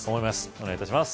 お願い致します